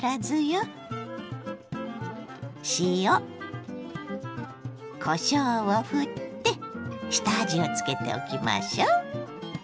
塩こしょうをふって下味をつけておきましょう。